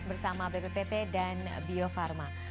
bersama bppt dan bio farma